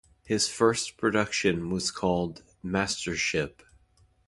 His first production was called "Mastership".